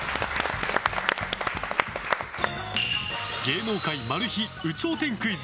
芸能界マル秘有頂天クイズ